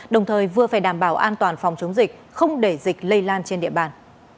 đồng thời vừa phải đảm bảo an toàn phòng chống dịch không để dịch lây lan trên địa bàn